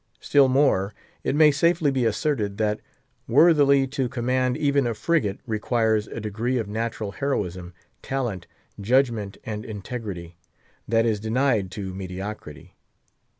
Still more, it may safely be asserted, that, worthily to command even a frigate, requires a degree of natural heroism, talent, judgment, and integrity, that is denied to mediocrity.